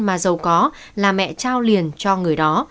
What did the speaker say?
mà giàu có là mẹ trao liền cho người đó